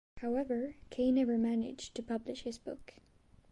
However Kay never managed to publish his book.